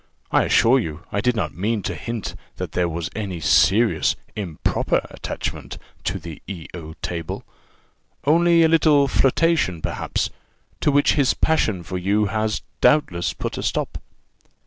I assure you, I did not mean to hint that there was any serious, improper attachment to the E O table; only a little flirtation, perhaps, to which his passion for you has, doubtless, put a stop."